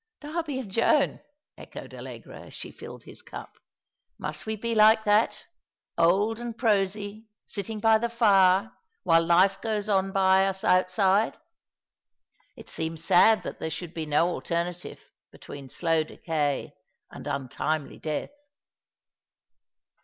" Darby and Joan," echoed Allegra, as she filled his cup. " Must we bo like that : old and prosy, sitting by the fire, while life goes by us outside ? It seems sad that there should be no alternative between slow decay and untimely death."